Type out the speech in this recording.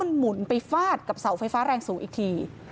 มันหมุนไปฟาดกับเสาไฟฟ้าแรงสูงอีกที